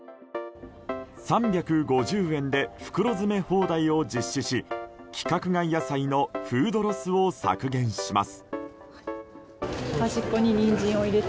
３５０円で袋詰め放題を実施し規格外野菜のフードロスを削減します。